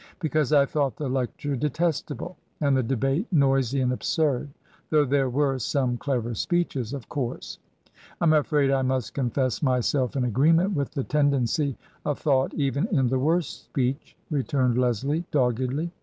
"Because I thought the lecture detestable, and the debate noisy and absurd. Though there were some clever speeches, of course." " Fm afraid I must confess myself in agreement with the tendency of thought even in the worst speech," re turned Leslie, doggedly.